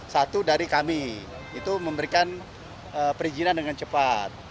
satu dari kami itu memberikan perizinan dengan cepat